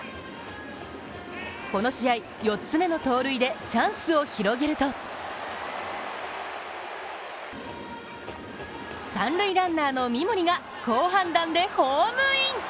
この試合４つ目の盗塁でチャンスを広げると三塁ランナーの三森が好判断でホームイン。